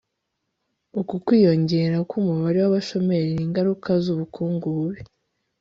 Uku kwiyongera kumubare wabashomeri ni ingaruka zubukungu bubi